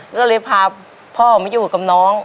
ก็เลยพาพ่อมาอยู่กับน้อง